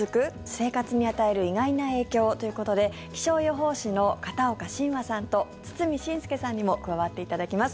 生活に与える意外な影響ということで気象予報士の片岡信和さんと堤伸輔さんにも加わっていただきます。